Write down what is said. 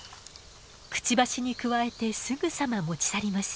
くちばしにくわえてすぐさま持ち去ります。